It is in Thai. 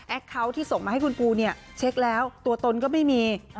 เขาที่ส่งมาให้คุณปูเนี่ยเช็คแล้วตัวตนก็ไม่มี